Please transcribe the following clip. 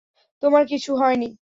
তোমার কিচ্ছু হয়নি।